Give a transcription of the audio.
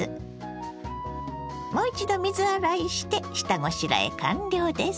もう一度水洗いして下ごしらえ完了です。